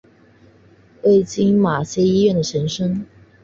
为今马偕医院的前身。